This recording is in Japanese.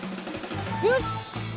よし！